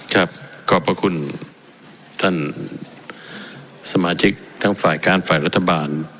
ครับกราบขอบคุณท่านสมาชิกทั้งฝ่ายการฝ่ายรัฐบาล